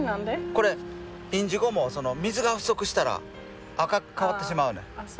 これインジゴも水が不足したら赤く変わってしまうねん。